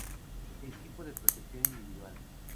Equipo de protección individual.